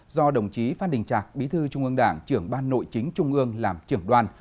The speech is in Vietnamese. do đồng chí phan đình trạc bí thư trung ương đảng trưởng ban nội chính trung ương làm trưởng đoàn